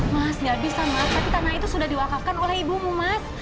mas gak bisa mas tapi tanah itu sudah diwakafkan oleh ibumu mas